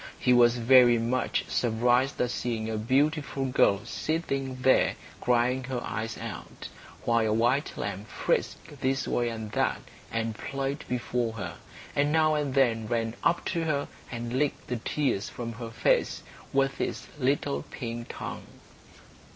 He was very much surprised at seeing a beautiful little girl sitting there, crying her eyes out, while a white lamb frisked this way and that, and played before her, and now and then ran up to her and licked the tears from her face with its little pink tongue.